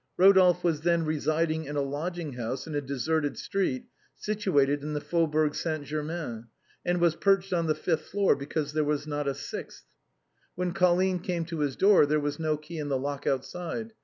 Eodolphe was then residing in a lodging house in a deserted street situate in the Faubourg Saint Germain, and was perched on the fifth floor because there was not a sixth. When Colline came to his door there was no key in the lock outside.